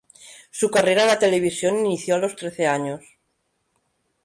Su carrera en la televisión inicio a los trece años.